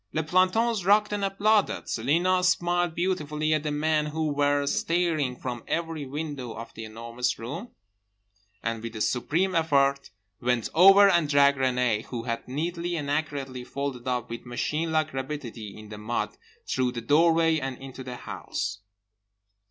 Les plantons rocked and applauded. Celina smiled beautifully at the men who were staring from every window of The Enormous Room and, with a supreme effort, went over and dragged Renée (who had neatly and accurately folded up with machine like rapidity in the mud) through the doorway and into the house.